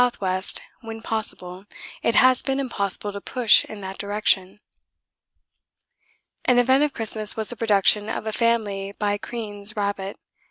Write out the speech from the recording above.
W. when possible it has been impossible to push in that direction. An event of Christmas was the production of a family by Crean's rabbit.